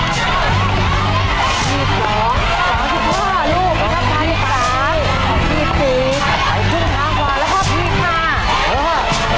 เจ็ดให้ดีกว่า